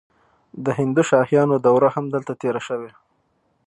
د هندوشاهیانو دوره هم دلته تیره شوې